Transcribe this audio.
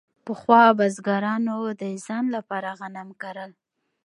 پخوا بزګرانو د ځان لپاره غنم کرل.